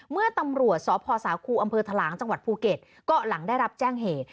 เมื่อตำรวจสพสาครูอำเภอทะลางจังหวัดภูเก็ตก็หลังได้รับแจ้งเหตุ